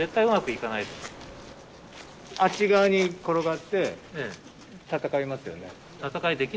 あっち側に転がって戦いますよね？